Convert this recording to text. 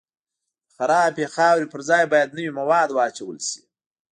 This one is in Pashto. د خرابې خاورې پر ځای باید نوي مواد واچول شي